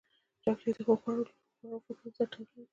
چاکلېټ د ښو خوږو فکرونو سره تړلی دی.